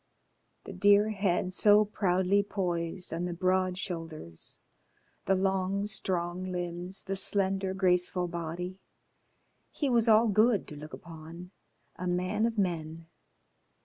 The dear head so proudly poised on the broad shoulders, the long strong limbs, the slender, graceful body. He was all good to look upon. A man of men.